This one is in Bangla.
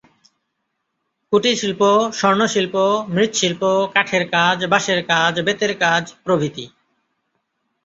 কুটিরশিল্প স্বর্ণশিল্প, মৃৎশিল্প, কাঠের কাজ, বাঁশের কাজ, বেতের কাজ প্রভৃতি।